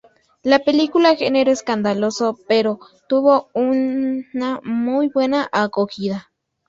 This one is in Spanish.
La película generó escándalo, pero tuvo una muy buena acogida.